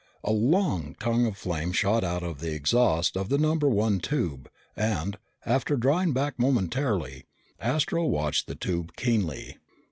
A long tongue of flame shot out of the exhaust of the number one tube and, after drawing back momentarily, Astro watched the tube keenly.